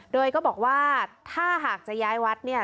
โดยก็บอกว่าถ้าหากจะย้ายวัดเนี่ย